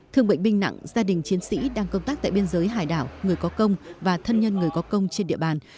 thương bệnh binh nặng gia đình chiến sĩ đang công tác tại biên giới hải đảo người có công và thân nhân người có công trên địa bàn